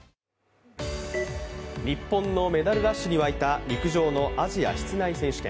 日本のメダルラッシュに沸いた陸上のアジア室内選手権。